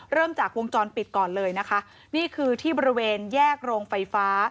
เริ่มจากวงจรปิดก่อนเลยนะคะนี่คือที่บริเวณแยกโรงไฟฟ้า